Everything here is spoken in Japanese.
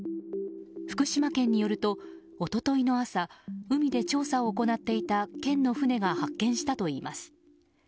福島県によると、一昨日の朝海で調査を行っていた県の船が発見したといいます。